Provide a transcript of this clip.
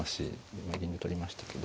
今銀で取りましたけど。